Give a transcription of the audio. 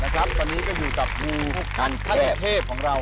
นะครับตอนนี้ก็อยู่กับมูขั้นเทพของเรา